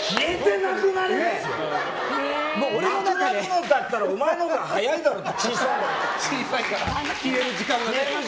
なくなるのだったらお前のほうが早いだろって。